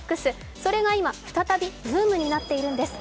それが今、再びブームになっているんです。